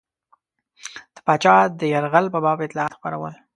د پاچا د یرغل په باب اطلاعات خپرول.